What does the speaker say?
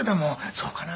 「そうかな？